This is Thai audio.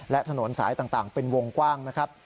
และถนนสายต่างเป็นวงกว้างนะครับ